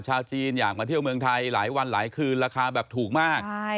ชาวจีนอยากมาเที่ยวเมืองไทยหลายวันหลายคืนราคาแบบถูกมาก